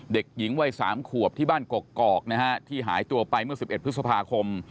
เด็กหญิงวัย๓ขวบที่บ้านกกอกนะฮะที่หายตัวไปเมื่อ๑๑พฤษภาคม